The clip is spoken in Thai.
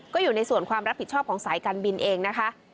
ก็อยู่ในส่วนความรับผิดชอบของสายการบินเองนะคะ